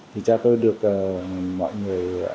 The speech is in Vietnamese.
thì cha tôi được mọi người